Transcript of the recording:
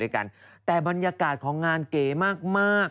กลัวฝังนอกบริสุทธิ์